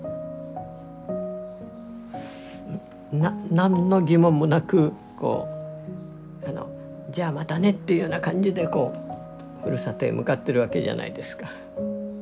何の疑問もなくこうあのじゃあまたねっていうような感じでこうふるさとへ向かってるわけじゃないですか。